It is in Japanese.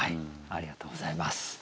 ありがとうございます。